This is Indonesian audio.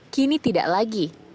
kini tidak lagi